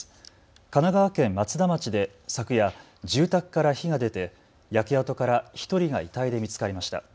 神奈川県松田町で昨夜、住宅から火が出て、焼け跡から１人が遺体で見つかりました。